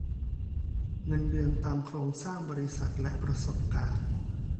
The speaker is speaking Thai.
เงินเดือนตามโครงสร้างบริษัทและประสบการณ์